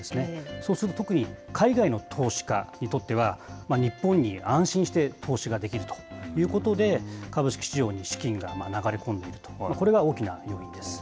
そうすると特に、海外の投資家にとっては、日本に安心して投資ができるということで、株式市場に資金が流れ込んでいると、これが大きな要因です。